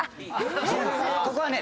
ここはね